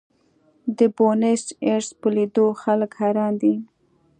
د بونیس ایرس په لیدو خلک حیران دي.